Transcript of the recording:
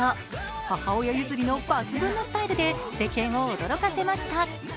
母親ゆずりの抜群のスタイルで世間を驚かせました。